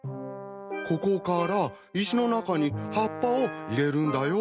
ここから石の中に葉っぱを入れるんだよ。